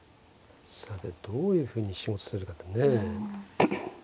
さてどういうふうに始末するかだね。